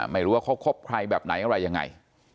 ไม่รู้ว่าเขาคบใครแบบไหนอะไรยังไง